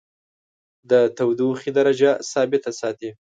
د تودیخي درجه ثابته ساتي.